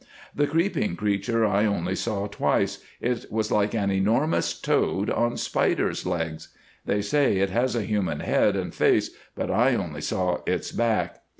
The creeping creature I only saw twice, it was like an enormous toad on spider's legs. They say it has a human head and face, but I only saw its back.